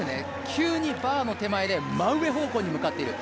急にバーの手前で真上方向に向かっている。